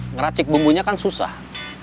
ngeracik bumbunya kan susah